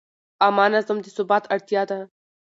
عامه نظم د ثبات اړتیا ده.